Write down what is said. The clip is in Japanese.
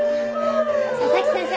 佐々木先生